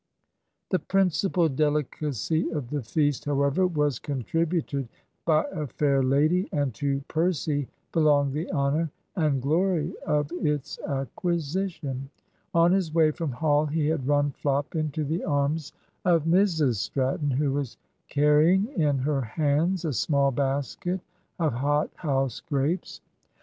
The principal delicacy of the feast, however, was contributed by a fair lady, and to Percy belonged the honour and glory of its acquisition. On his way from Hall he had run flop into the arms of Mrs Stratton, who was carrying in her hands a small basket of hothouse grapes.